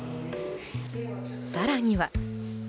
更には。